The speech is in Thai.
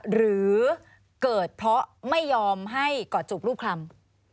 หรือเกิดเพราะไม่ยอมให้กอดจูบรูปคลำ